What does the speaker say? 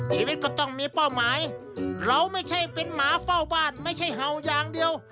ชีวิตก็ต้องมีเป้าหมายเราไม่ใช่เป็นหมาเฝ้าบ้านไม่ใช่เห่าอย่างเดียว